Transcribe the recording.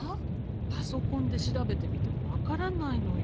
パソコンで調べてみても分からないのよ。